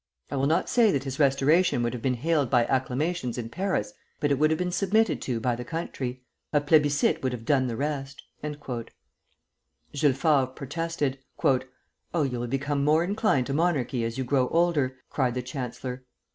I will not say that his restoration would have been hailed by acclamations in Paris, but it would have been submitted to by the country. A plébiscite would have done the rest." Jules Favre protested. "Oh, you will become more inclined to monarchy as you grow older," cried the chancellor.